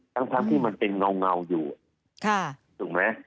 ทั้งที่มันเป็นเงาอยู่ถูกไหม